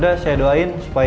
tapi kan dia mau ke rumah sakit